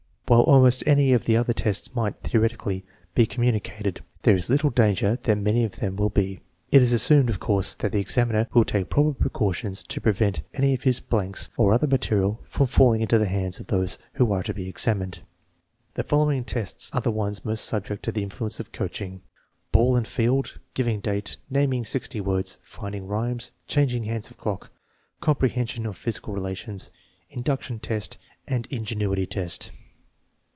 While almost any of the other tests might, theoretically, be com municated, there is little danger that many of them will be. It is assumed, of course, that the examiner will take proper precautions to prevent any of his blanks or other materials from falling into the hands of those who are to be examined. The following tests are the ones most subject to the in fluence of coaching: Ball and field, giving date, naming sixty words, finding rhymes, changing hands of clock, comprehension of physical relations, "induction test," and " ingenuity test."